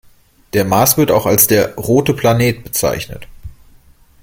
Der Mars wird auch als der „rote Planet“ bezeichnet.